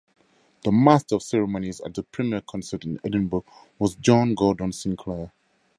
The Master of Ceremonies at the premiere concert in Edinburgh was John Gordon Sinclair.